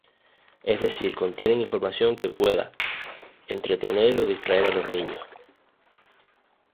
Es decir contienen información que pueda entretener o distraer a los niños.